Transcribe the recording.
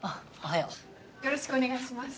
よろしくお願いします。